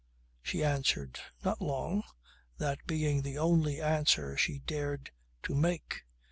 She answered "Not long" that being the only answer she dared to make.